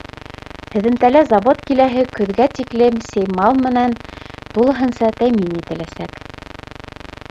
Һөҙөмтәлә завод киләһе көҙгә тиклем сеймал менән тулыһынса тәьмин ителәсәк.